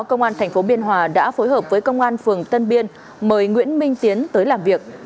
công an tp biên hòa đã phối hợp với công an phường tân biên mời nguyễn minh tiến tới làm việc